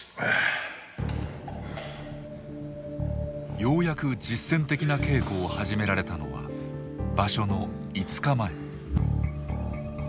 ようやく実戦的な稽古を始められたのは場所の５日前。